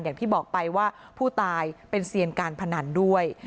อย่างที่บอกไปว่าผู้ตายเป็นเซียนการพนันด้วย